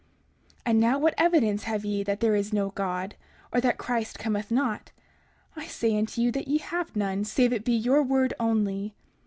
30:40 And now what evidence have ye that there is no God, or that Christ cometh not? I say unto you that ye have none, save it be your word only.